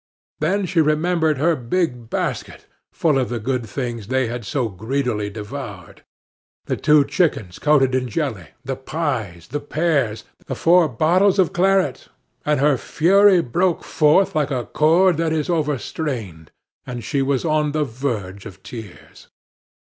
Then she remembered her big basket full of the good things they had so greedily devoured: the two chickens coated in jelly, the pies, the pears, the four bottles of claret; and her fury broke forth like a cord that is overstrained, and she was on the verge of tears.